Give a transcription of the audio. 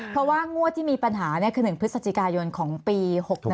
เพราะว่างวดที่มีปัญหาคือ๑พฤศจิกายนของปี๖๑